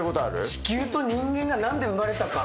地球と人間が何で生まれたか？